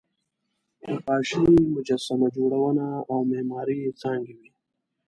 نقاشي، مجسمه جوړونه او معماري یې څانګې وې.